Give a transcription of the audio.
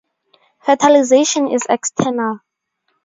Fertilization is external.